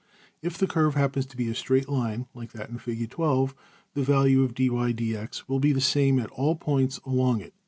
If the ``curve'' happens to be a straight line, like that in \Fig, the value of~$\dfrac{dy}{dx}$ will be the same at all points along it.